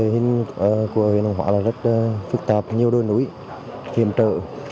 hình của hướng hóa rất phức tạp nhiều đôi núi hiểm trợ